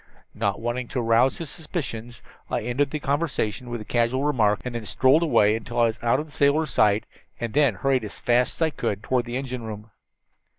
Not wanting to arouse his suspicions, I ended the conversation with a casual remark, and then strolled away until I was out of the sailor's sight, and then hurried as fast as I could toward the engine room.